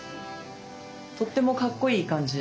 とってもかっこいい感じ。